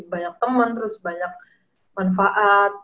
banyak teman terus banyak manfaat